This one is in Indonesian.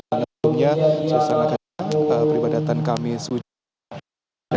dan akhirnya sesanakan peribadatan kami sujud